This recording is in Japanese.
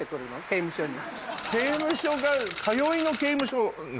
刑務所が通いの刑務所なの？